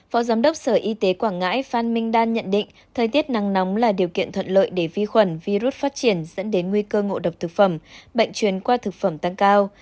phó giám đốc sở y tế quảng ngãi phan minh đan nhận định thời tiết nắng nóng là điều kiện thuận lợi để vi khuẩn virus phát triển dẫn đến nguy cơ ngộ độc thực phẩm bệnh truyền qua thực phẩm tăng cao